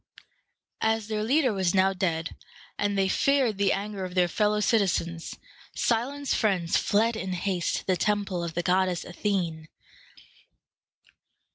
As their leader was now dead, and they feared the anger of their fellow citizens, Cylon's friends fled in haste to the temple of the goddess Athene.